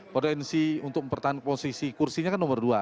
potensi untuk mempertahankan posisi kursinya kan nomor dua